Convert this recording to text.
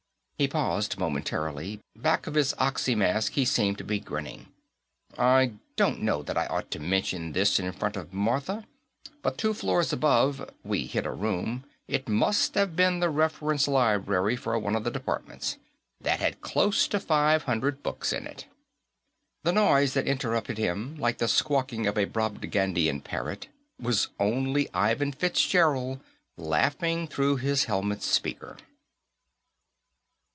He paused momentarily; back of his oxy mask, he seemed to be grinning. "I don't know that I ought to mention this in front of Martha, but two floors above we hit a room it must have been the reference library for one of the departments that had close to five hundred books in it." The noise that interrupted him, like the squawking of a Brobdingnagian parrot, was only Ivan Fitzgerald laughing through his helmet speaker.